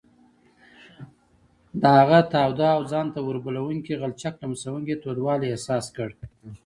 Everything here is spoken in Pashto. د هغه تاوده او ځان ته اوربلوونکي غلچک لمسوونکی تودوالی احساس کړ.